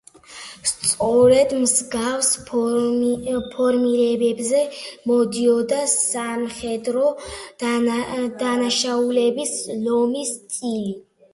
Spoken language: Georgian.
სწორედ მსგავს ფორმირებებზე მოდიოდა სამხედრო დანაშაულების ლომის წილი.